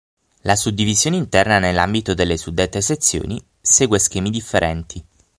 La suddivisione interna nell'ambito delle suddette sezioni segue schemi differenti.